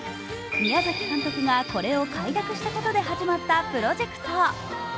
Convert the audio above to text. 宮崎監督がこれを快諾したことで始まったプロジェクト。